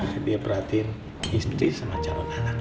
biar dia perhatiin istri sama calon anaknya